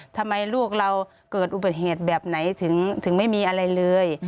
ทำไมลูกเราเกิดอุบัติเหตุแบบไหนถึงไม่มีอะไรเลย